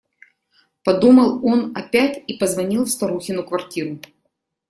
Подумал он опять и позвонил в старухину квартиру.